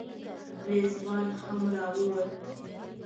رضوان هم راووت.